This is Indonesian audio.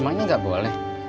emangnya gak boleh